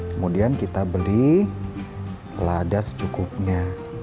kemudian kita beli lada secukupnya